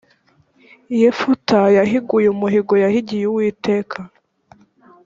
yefuta yahiguye umuhigo yahigiye uwiteka